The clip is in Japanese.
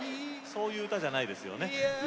そういうのじゃないですよ。